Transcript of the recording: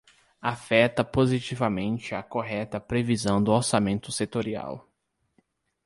Afeta positivamente a correta previsão do orçamento setorial.